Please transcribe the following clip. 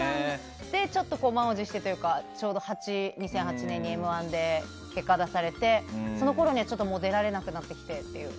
で、ちょっと満を持してというかちょうど２００８年に「Ｍ‐１」で結果を出されてそのころにはもう出られなくなってきてっていう。